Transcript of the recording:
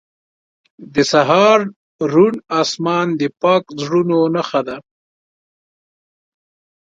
• د سهار روڼ آسمان د پاک زړونو نښه ده.